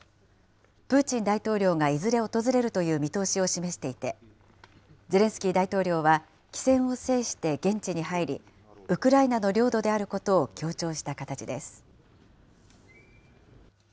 プーチン大統領がいずれ訪れるという見通しを示していて、ゼレンスキー大統領は、機先を制して現地に入り、ウクライナの領土であることを強調した形です。